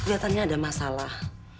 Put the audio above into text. keliatannya ada masalah